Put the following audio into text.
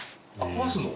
壊すの？